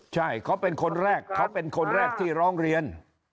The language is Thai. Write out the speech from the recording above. ใช่เขาเป็นคนแรกเขาเป็นคนแรกที่ร้องเรียน